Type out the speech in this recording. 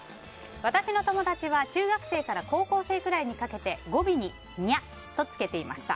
私の友達は中学生から高校生くらいにかけて語尾に「にゃ」とつけていました。